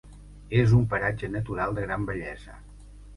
És un paratge natural de gran bellesa.